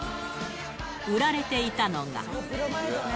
売られていたのが。